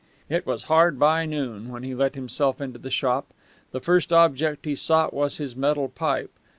It was hard by noon when he let himself into the shop. The first object he sought was his metal pipe.